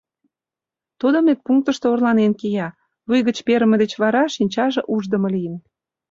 Тудо медпунктышто орланен кия: вуй гыч перыме деч вара шинчаже уждымо лийын.